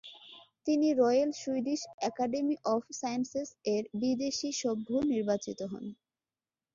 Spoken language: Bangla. তিনি Royal Swedish Academy of Sciences এর বিদেশী সভ্য নির্বাচিত হন।